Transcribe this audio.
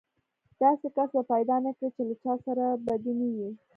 داسې کس به پيدا نه کړې چې له چا سره يې بدي نه وي.